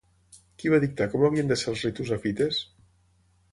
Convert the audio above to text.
Qui va dictar com havien de ser els ritus a Fites?